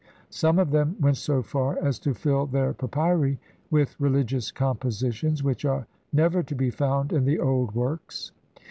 Some of them went so far as fill their papyri with religious compositions which are never to be found in the old works.